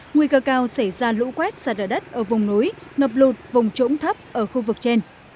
nguy cơ cao xảy ra lũ quét sạt ở đất ở vùng núi ngập lụt vùng trũng thấp ở khu vực trên